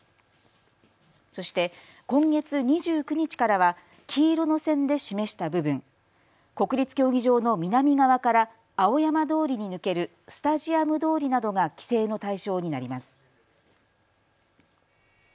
そして今月２９日からは黄色の線で示した部分、国立競技場の南側から青山通りに抜けるスタジアム通りなどが規制の対象になります。